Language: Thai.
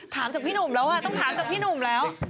ถามจากพี่หนุ่มแล้วต้องถามจากพี่หนุ่มแล้ว